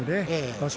場所